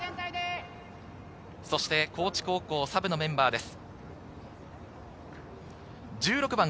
高知高校、サブのメンバーです。